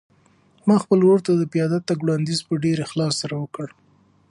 ما خپل ورور ته د پیاده تګ وړاندیز په ډېر اخلاص سره وکړ.